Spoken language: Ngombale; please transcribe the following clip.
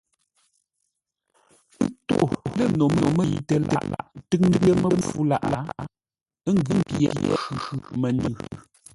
Pə́ tô lə̂ no məkəitə laghʼ ńtʉ́ŋtə́ məpfû lâʼ; ə́ ngʉ́ pye khʉ̂ məndʉ.